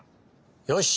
よし！